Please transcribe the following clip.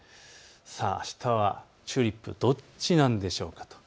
あしたはチューリップどちらなんでしょうか。